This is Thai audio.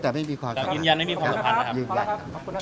ถ้านายผมบอกพอแล้ว